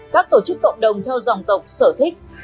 các tổ chức cộng đồng theo dòng tộc sở thích